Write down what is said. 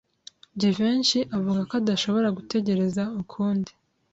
Jivency avuga ko adashobora gutegereza ukundi.